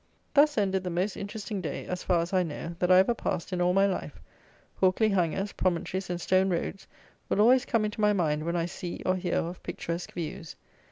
Thus ended the most interesting day, as far as I know, that I ever passed in all my life. Hawkley hangers, promontories, and stone roads will always come into my mind when I see, or hear of, picturesque views.